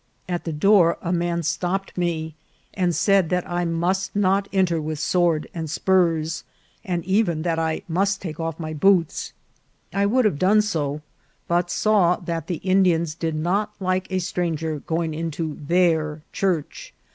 At the door a man stopped me, and said that I must not enter with sword and spurs, and even that I must take off my boots. I would have done so, but saw that the Indians did not like a stran ger going into their church.